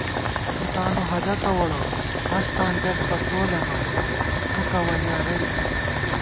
تُو تانُو ہدَتہ ووڑہ، ہستاں گئیس بہ تو لَماتہ، مُکہ ولیا رئی ژمېت